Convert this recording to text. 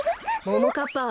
ももかっぱ。